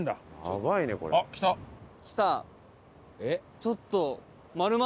ちょっと。